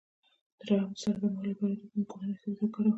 د رحم د سرطان مخنیوي لپاره د کومې کورنۍ سبزي وکاروم؟